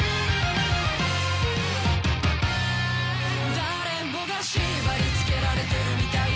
誰もが縛り付けられてるみたいだ